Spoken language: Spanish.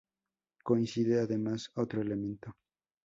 Coincide además otro elemento.